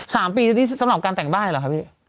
สามปีที่สำหรับการแต่งได้เหรอครับพี่